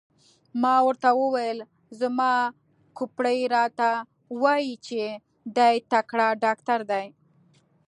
ما ورته وویل: زما کوپړۍ راته وایي چې دی تکړه ډاکټر دی.